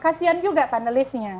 kasian juga panelisnya